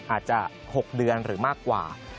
อาจจะ๖เดือนหรือมากกว่า